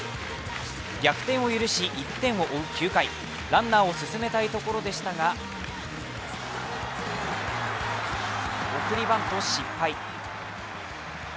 逆転を許し１点を追う９回、ランナーを進めたいところでしたが送りバント失敗。